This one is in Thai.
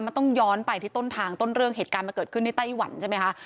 มันต้องย้อนไปที่ต้นทางต้นเรื่องเหตุการณ์มันเกิดขึ้นที่ไต้หวันใช่ไหมคะ